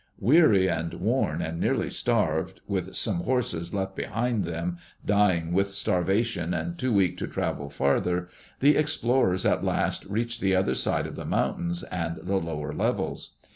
Weary and worn and nearly starved, with some horses left behind them, dying with starvation and too weak to travel farther, the explorers at last reached the other side of the mountains and the lower levels.